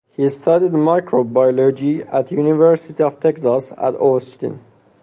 He studied microbiology at University of Texas at Austin.